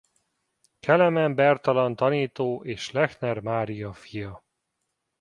Kelemen Bertalan tanító és Lechner Mária fia.